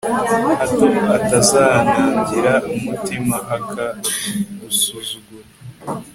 hato atazanangira umutima, akagusuzugura